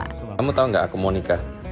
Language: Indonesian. kamu tahu nggak aku mau nikah